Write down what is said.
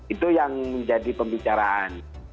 itu yang menjadi pembicaraan